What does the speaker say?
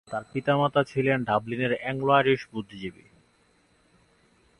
তাঁর পিতামাতা ছিলেন ডাবলিনের অ্যাংলো-আইরিশ বুদ্ধিজীবী।